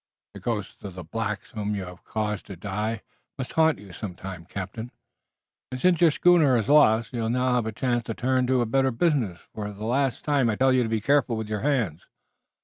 The ghosts of the blacks whom you have caused to die must haunt you some time, captain, and since your schooner is lost you'll now have a chance to turn to a better business. For the last time I tell you to be careful with your hands.